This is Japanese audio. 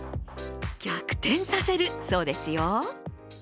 逆転させるそうですよ。